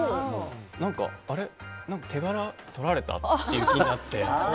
何か、あれ、手柄とられた？っていう気になって。